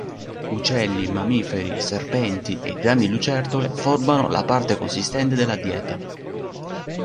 Uccelli, mammiferi, serpenti e grandi lucertole formano la parte consistente della dieta.